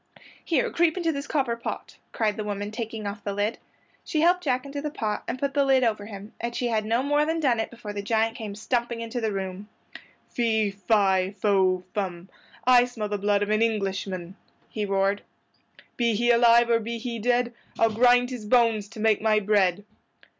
"Here, creep into this copper pot," cried the woman, taking off the lid. She helped Jack into the pot and put the lid over him, and she had no more than done it before the giant came stumping into the room. "Fee, fi, fo, fum! I smell the blood of an Englishman!" he roared. "Be he alive or be he dead I'll grind his bones to make my bread."